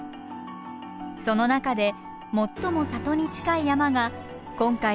その中で最も里に近い山が今回登る堂山です。